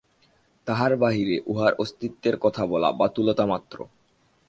তাহার বাহিরে উহার অস্তিত্বের কথা বলা বাতুলতা মাত্র।